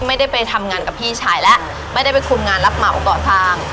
ไม่ได้ไปทำงานกับพี่ชายแล้วไม่ได้ไปคุมงานรับเหมาก่อสร้าง